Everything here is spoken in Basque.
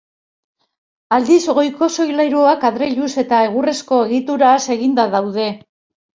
Aldiz, goiko solairuak adreiluz eta egurrezko egituraz eginda daude.